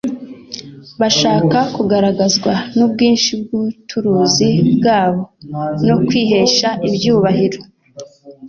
Bashaka kugaragazwa n'ubwinshi bw'ubuturuzi bwabo no kwihesha ibyubahiro.